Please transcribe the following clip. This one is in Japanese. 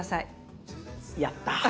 やった！